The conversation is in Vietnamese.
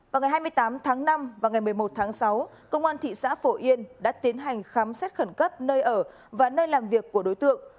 vào ngày hai mươi tám tháng năm và ngày một mươi một tháng sáu công an thị xã phổ yên đã tiến hành khám xét khẩn cấp nơi ở và nơi làm việc của đối tượng